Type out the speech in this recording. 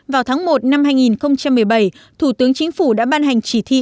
vào tháng một năm hai nghìn một mươi bảy thủ tướng chính phủ đã ban hành chỉ thị